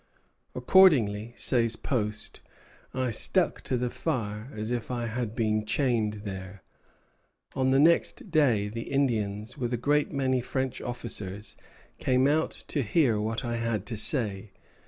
"Accordingly," says Post, "I stuck to the fire as if I had been chained there. On the next day the Indians, with a great many French officers, came out to hear what I had to say.